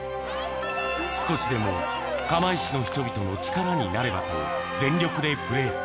少しでも釜石の人々の力になればと、全力でプレー。